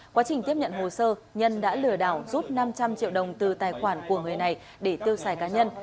quá trình tiếp nhận hồ sơ nhân đã lừa đảo rút năm trăm linh triệu đồng từ tài khoản của người này để tiêu xài cá nhân